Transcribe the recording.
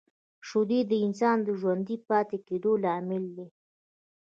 شیدې د انسان د ژوندي پاتې کېدو لامل دي